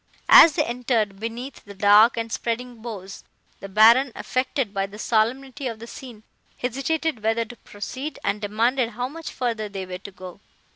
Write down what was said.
"As they entered beneath the dark and spreading boughs, the Baron, affected by the solemnity of the scene, hesitated whether to proceed, and demanded how much further they were to go.